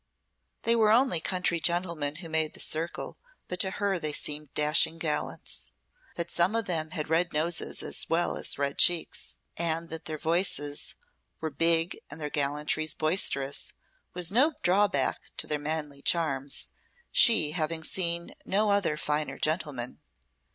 They were only country gentlemen who made the circle, but to her they seemed dashing gallants. That some of them had red noses as well as cheeks, and that their voices were big and their gallantries boisterous, was no drawback to their manly charms, she having seen no other finer gentlemen.